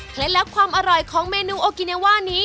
เคล็ดแล้วความอร่อยของเมนูโอกินว่านี้